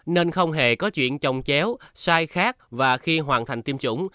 nên không hề có chuyện trồng chéo sai khác và khi hoàn thành tiêm chủng